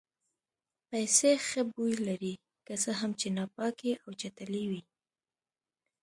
پیسې ښه بوی لري که څه هم چې ناپاکې او چټلې وي.